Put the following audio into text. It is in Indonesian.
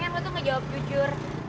gue pengen lo tuh ngejawab jujur